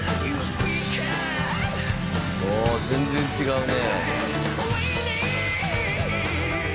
「ああ全然違うね」